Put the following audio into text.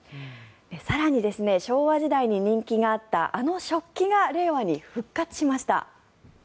更に昭和時代に人気があったあの食器が令和に復活しました。